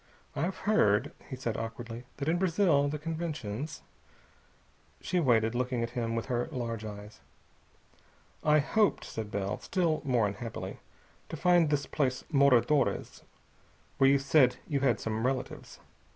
"I've heard," he said awkwardly, "that in Brazil the conventions...." She waited, looking at him with her large eyes. "I hoped," said Bell, still more unhappily, "to find this place Moradores, where you said you had some relatives.